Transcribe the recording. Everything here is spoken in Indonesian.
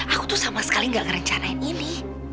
aku tuh sama sekali gak ngerencanain ini